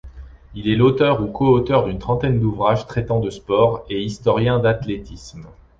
Il est l'auteur ou co-auteur d'une trentaine d'ouvrages traitant de sports et historien d'athlétisme.